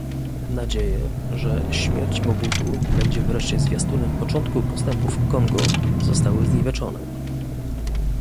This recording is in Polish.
Nadzieje, że śmierć Mobutu będzie wreszcie zwiastunem początku postępu w Kongo, zostały zniweczone